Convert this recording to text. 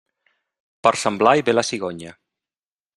Per Sant Blai ve la cigonya.